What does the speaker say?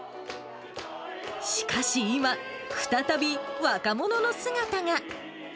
しかし今、再び若者の姿が。